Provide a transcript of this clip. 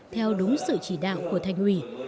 theo đúng sự chỉ đạo của thanh hủy